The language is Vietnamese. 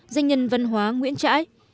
danh nhân văn hóa nguyễn trãi